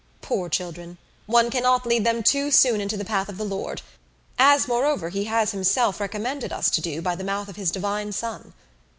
Poor children! One cannot lead them too soon into the path of the Lord, as, moreover, he has himself recommended us to do by the mouth of his Divine Son.